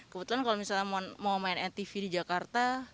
kebetulan kalau misalnya mau main mtv di jakarta